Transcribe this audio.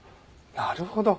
なるほど。